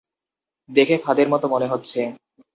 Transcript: দেখে ফাঁদের মত মনে হচ্ছে।